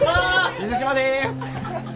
水島です。